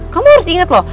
kamu harus inget loh